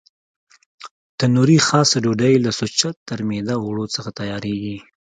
تنوري خاصه ډوډۍ له سوچه ترمیده اوړو څخه تیارېږي.